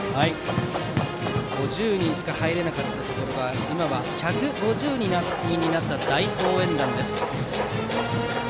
５０人しか入れなかったところが今は１５０人になった大応援団です。